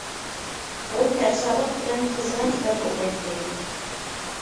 ئۇ تەرسالىق بىلەن قىزغىن كىتاب ئوقۇيتتى.